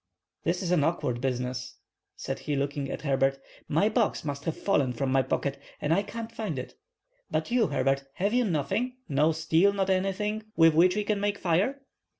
"This is an awkward business," said he, looking at Herbert. "My box must have fallen from my pocket, and I can't find it. But you, Herbert, have you nothing: no steel, not anything, with which we can make fire?"